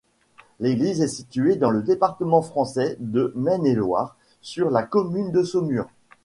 L'église est située dans le département français de Maine-et-Loire, sur la commune de Saumur.